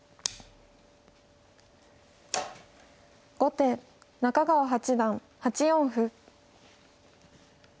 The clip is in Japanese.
後手中川八段８四歩。